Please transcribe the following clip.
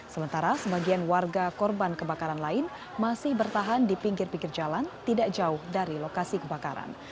sementara sebagian warga korban kebakaran lain masih bertahan di pinggir pinggir jalan tidak jauh dari lokasi kebakaran